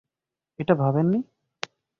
এটা ভাবেননি?